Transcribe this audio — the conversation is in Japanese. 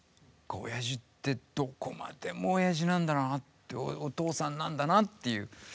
親父ってどこまでも親父なんだなお父さんなんだなっていう今でも。